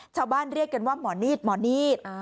ชาวบ้านเรียกกันว่าหมอนีทหมอนีท